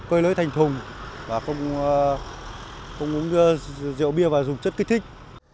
cơ lưới thành thùng và không uống rượu bia và dùng chất kích thích